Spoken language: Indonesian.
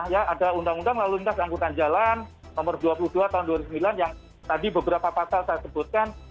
ada undang undang lalu lintas angkutan jalan nomor dua puluh dua tahun dua ribu sembilan yang tadi beberapa pasal saya sebutkan